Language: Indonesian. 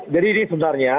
jadi ini sebenarnya